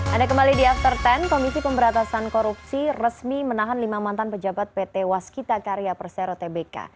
ada kembali di after sepuluh komisi pemberatasan korupsi resmi menahan lima mantan pejabat pt waskita karya persero tbk